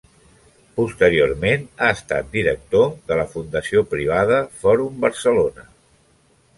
Posteriorment ha estat director de la Fundació Privada Fòrum Barcelona.